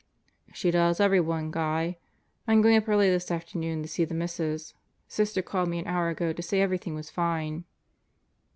"She does everyone, Guy. I'm going up early this afternoon to see the Mrs. Sister called me an hour ago to say everything was fine."